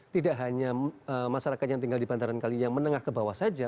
tidak hanya masyarakat yang tinggal di bantaran kali yang menengah ke bawah saja